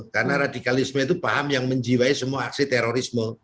karena radikalisme itu paham yang menjiwai semua aksi terorisme